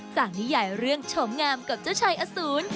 นิยายเรื่องโฉมงามกับเจ้าชายอสูร